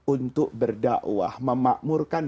untuk berda'wah memakmurkan